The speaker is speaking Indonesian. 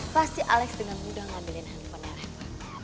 pasti alex dengan mudah ngambilin hpnya lex